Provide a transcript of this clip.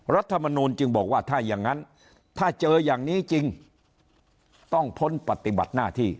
รัฐมนูลจึงบอกว่าถ้าอย่างนั้นถ้าเจออย่างนี้จริงต้องพ้นปฏิบัติหน้าที่